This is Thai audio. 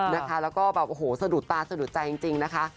แล้วก็แบบโอ้โหสะดุดตาสะดุดใจจริงนะคะ